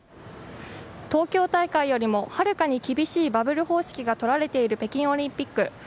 東京大会よりもはるかに厳しいバブル方式が取られている北京オリンピック。